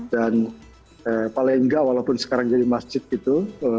dan paling tidak walaupun sekarang jadi masjid gitu